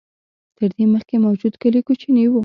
تر دې مخکې موجود کلي کوچني و.